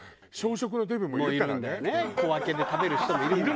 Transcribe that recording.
小分けで食べる人もいるもんね。